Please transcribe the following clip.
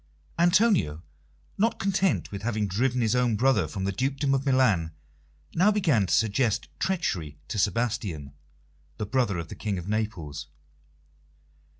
Antonio, not content with having driven his own brother from the dukedom of Milan, now began to suggest treachery to Sebastian, the brother of the King of Naples.